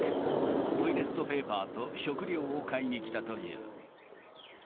トイレットペーパーと食料を買いに来たという。